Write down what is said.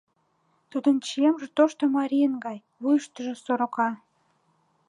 Тудын чиемже тошто марийын гай, вуйыштыжо сорока.